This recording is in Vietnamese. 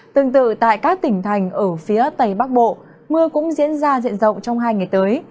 tương tự tại các tỉnh thành ở phía tây bắc bộ mưa cũng diễn ra diện rộng trong hai ngày tới